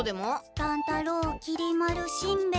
乱太郎きり丸しんべヱ。